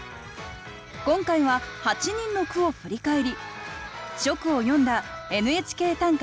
今回は８人の句を振り返り初句を詠んだ「ＮＨＫ短歌」